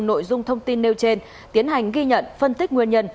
nội dung thông tin nêu trên tiến hành ghi nhận phân tích nguyên nhân